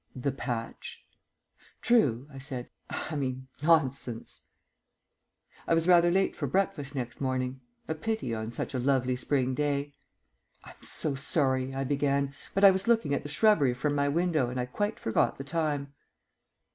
"The patch." "True," I said. "I mean, Nonsense." I was rather late for breakfast next morning; a pity on such a lovely spring day. "I'm so sorry," I began, "but I was looking at the shrubbery from my window and I quite forgot the time."